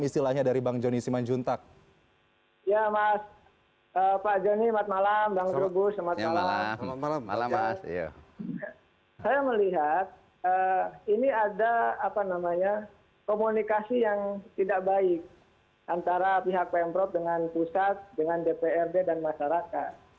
saya melihat ini ada komunikasi yang tidak baik antara pihak pemprov dengan pusat dengan dprd dan masyarakat